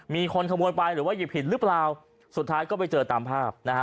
มีคนขโมยไปหรือว่าหยิบผิดหรือเปล่าสุดท้ายก็ไปเจอตามภาพนะฮะ